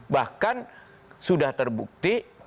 bahkan sudah terbukti